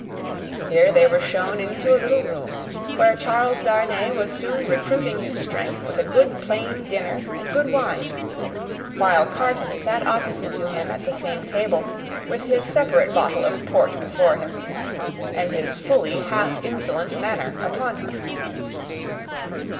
Here, they were shown into a little room, where Charles Darnay was soon recruiting his strength with a good plain dinner and good wine: while Carton sat opposite to him at the same table, with his separate bottle of port before him, and his fully half insolent manner upon him.